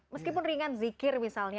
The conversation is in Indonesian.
meskipun ringan zikir misalnya